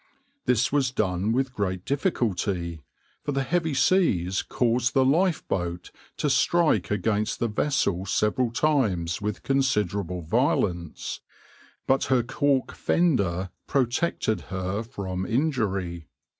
This was done with great difficulty, for the heavy seas caused the lifeboat to strike against the vessel several times with considerable violence, but her cork fender protected her from injury.